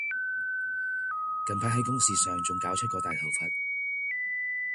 近排喺公事上仲搞出個大頭佛